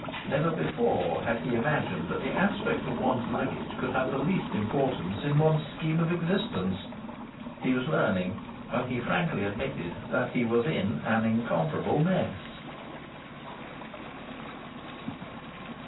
Never before had he imagined that the aspect of one's luggage could have the least importance in one's scheme of existence. He was learning, and he frankly admitted that he was in an incomparable mess.